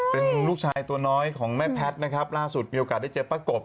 เป็นลูกชายตัวน้อยของแม่แพทย์นะครับล่าสุดมีโอกาสได้เจอป้ากบ